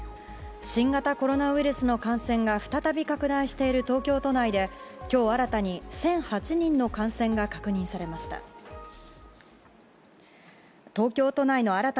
新型コロナウイルスの感染が再び拡大している東京都内で今日、新たに１００８人の感染が確認されました。